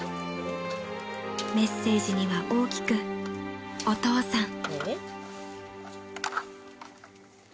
［メッセージには大きく「お父さん」］